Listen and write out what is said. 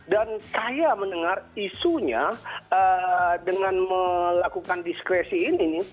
dan saya mendengar isunya dengan melakukan diskresi ini